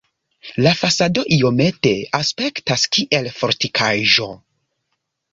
La fasado iomete aspektas kiel fortikaĵo.